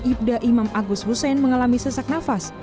ibda imam agus hussein mengalami sesak nafas